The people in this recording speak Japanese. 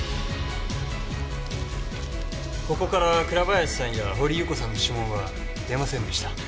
ここから倉林さんや掘祐子さんの指紋は出ませんでした。